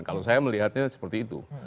kalau saya melihatnya seperti itu